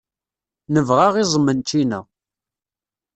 Nebɣa iẓem n ččina.